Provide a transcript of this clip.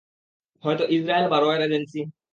হয়তো ইজরায়েল বা র এজেন্সির।